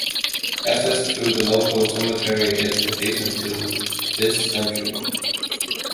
Access to the local cemetery is adjacent to this centre.